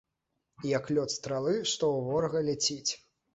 Як лёт стралы, што ў ворага ляціць.